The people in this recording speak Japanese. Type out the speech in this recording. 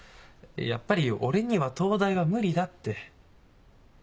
やっぱり俺には東大は無理だって。